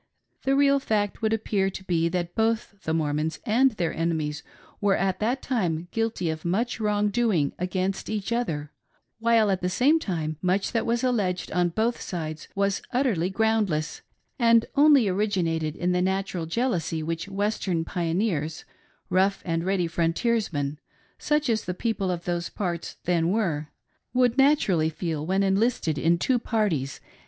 The real fact would appear to be that both the Mormons and their enemies were at that time guilty of much wrong doing against each other, whUe, at the same time, much that was alleged on both sides was utterly groundless, and only originated in the natural jealousy which Western pioneers — rough and ready frontiers men, such as 304 "the avenging angei s",} — "the danites." the people of vtbose .parts then were — would naturally feel when enlisted in two parties